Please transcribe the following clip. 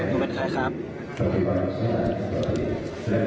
ข้างหน่อยภายวิกาเนยชวนชาติปังดิ